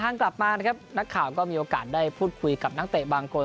กลับมานะครับนักข่าวก็มีโอกาสได้พูดคุยกับนักเตะบางคน